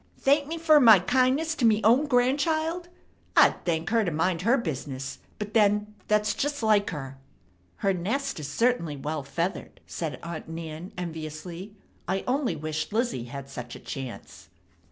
Thank me fer my kindness to me own grandchild! I'd thank her to mind her business, but then that's just like her." "Her nest is certainly well feathered," said Aunt Nan enviously. "I only wish Lizzie had such a chance."